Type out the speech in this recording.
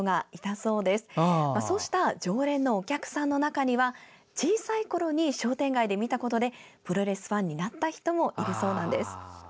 そうした常連のお客さんの中には小さいころに商店街で見たことでプロレスファンになった人もいるそうなんです。